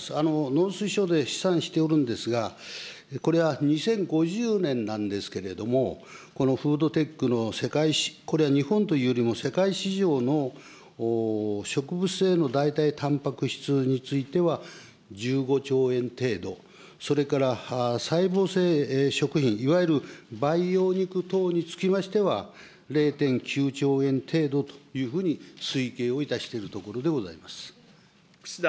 農水省で試算しておるんですが、これは２０５０年なんですけれども、このフードテックの、これは日本というよりも、世界市場の植物性の代替たんぱく質については、１５兆円程度、それから細胞性食品、いわゆる培養肉等につきましては、０．９兆円程度というふうに推計をいたしているところでございます。